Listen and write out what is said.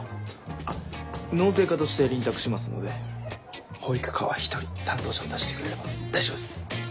あっ納税課として臨宅しますので保育課は１人担当者を出してくれれば大丈夫です。